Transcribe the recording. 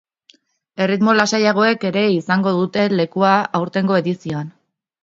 Erritmo lasaiagoek ere izango dute lekua aurtengo edizioan.